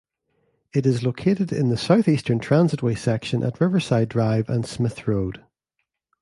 It is located in the south-eastern transitway section at Riverside Drive and Smyth Road.